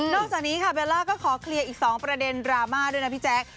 จากนี้ค่ะเบลล่าก็ขอเคลียร์อีก๒ประเด็นดราม่าด้วยนะพี่แจ๊ค